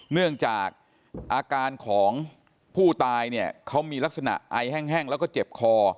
เนื่องจากอาการของผู้ตายเนี่ยเขามีลักษณะไอแห้งแล้วก็เจ็บคอ